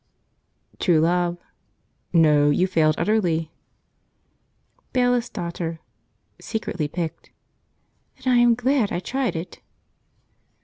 True Love. "No; you failed utterly." Bailiff's Daughter (secretly piqued). "Then I am glad I tried it."